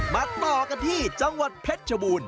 มาต่อกันที่จังหวัดเพชรชบูรณ